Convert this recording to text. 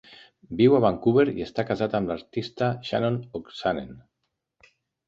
Viu a Vancouver i està casat amb l'artista Shannon Oksanen.